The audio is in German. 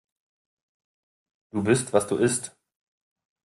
Du bist, was du isst.